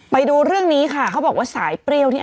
ไปดูเรื่องนี้ค่ะเขาบอกว่าสายเปรี้ยวที่